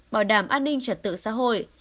bảo đảm an ninh trật tự xã hội